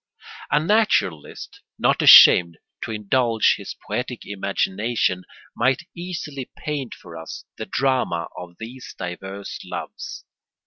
] A naturalist not ashamed to indulge his poetic imagination might easily paint for us the drama of these diverse loves.